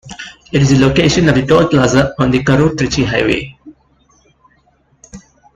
It is the location of the Toll Plaza on the Karur - Trichy Highway.